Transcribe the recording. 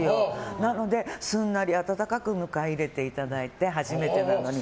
なので、すんなり温かく迎えていただいて初めてなのに。